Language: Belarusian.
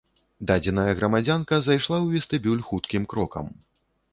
Дадзеная грамадзянка зайшла ў вестыбюль хуткім крокам.